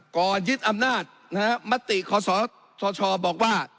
ก่อนยึดอำนาจนะฮะมะติขอสอดชอบบอกว่า